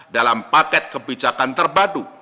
dalam paket kebijakan terpadu